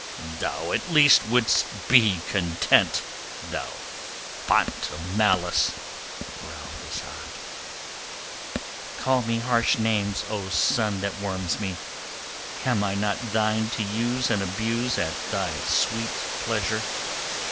"Thou at least wouldst be content, thou fount of malice," growled Asad. "Call me harsh names, O sun that warms me! Am I not thine to use and abuse at thy sweet pleasure?